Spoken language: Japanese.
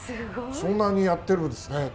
そんなにやってるんですね。